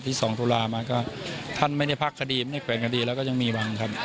ที่สองตุลามาก็ท่านไม่ได้พักคดีไม่ได้แขวนคดีแล้วก็ยังมีบางครับ